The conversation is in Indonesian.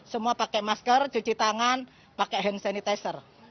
semua pakai masker cuci tangan pakai hand sanitizer